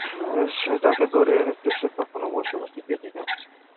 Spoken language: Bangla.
সে যাকে ধরে এনেছে সে তখনো বসে বসে পিঠে খাচ্ছে।